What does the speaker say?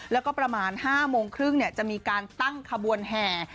แล้วก็ประมาณ๕โมงครึ่งจะมีการตั้งขบวนแห่